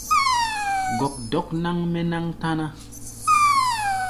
Gɔkdɔk náŋ-mɛ́ náŋ táná.